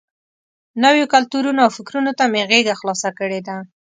نویو کلتورونو او فکرونو ته مې غېږه خلاصه کړې ده.